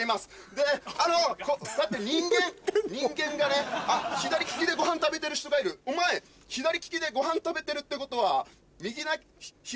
でこうやって人間がね左利きでご飯食べてる人がいる「お前左利きでご飯食べてるってことは左投げなの？」